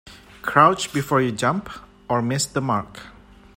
Crouch before you jump or miss the mark.